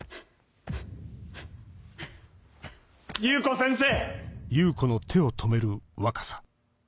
裕子先生！